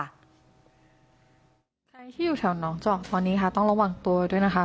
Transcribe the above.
ใครที่อยู่แถวน้องจอกตอนนี้ค่ะต้องระวังตัวด้วยนะคะ